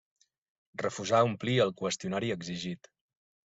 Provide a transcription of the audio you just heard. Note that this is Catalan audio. Refusà omplir el qüestionari exigit.